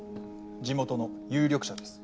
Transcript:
地元の有力者です。